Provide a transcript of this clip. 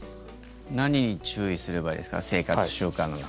何に注意すればいいですか生活習慣の中。